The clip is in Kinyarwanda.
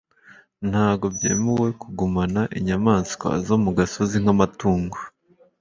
Ntabwo byemewe kugumana inyamaswa zo mu gasozi nk'amatungo